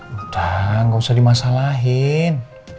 udah gak usah dimasalahin